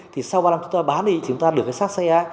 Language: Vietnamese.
thì sau ba năm chúng ta bán đi chúng ta được cái xác xe á